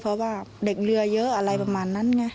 เพราะว่าเด็กเรือเยอะอะไรประมาณนั้นไง